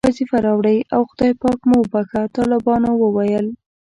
وظیفه راوړئ او خدای پاک مو وبښه، طالبانو وویل.